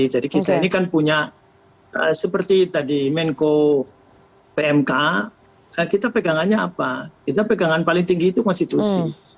jadi kita ini kan punya seperti tadi menko pmk kita pegangannya apa kita pegangan paling tinggi itu konstitusi